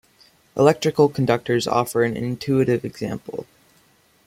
Electrical conductors offer an intuitive example.